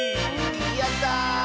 やった！